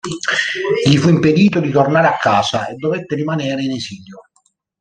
Gli fu impedito di tornare a casa e dovette rimanere in esilio.